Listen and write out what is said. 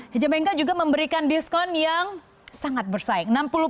hijab nk juga memberikan diskon yang sangat bersaing